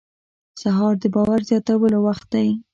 سهار د باور زیاتولو وخت دی.